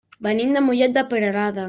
Venim de Mollet de Peralada.